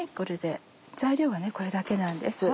材料はこれだけなんです。